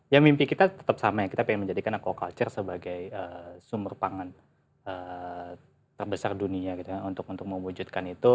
ya mimpi kita tetap sama ya kita ingin menjadikan aquaculture sebagai sumber pangan terbesar dunia gitu ya untuk mewujudkan itu